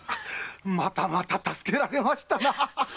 またまた助けられましたな！